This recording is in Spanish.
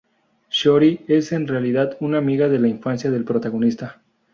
Shiori es en realidad una amiga de la infancia del protagonista.